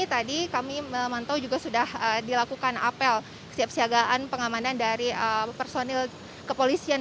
tadi kami memantau juga sudah dilakukan apel kesiapsiagaan pengamanan dari personil kepolisian